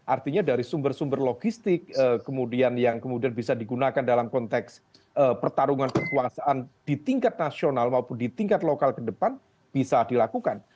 artinya dari sumber sumber logistik kemudian yang kemudian bisa digunakan dalam konteks pertarungan kekuasaan di tingkat nasional maupun di tingkat lokal ke depan bisa dilakukan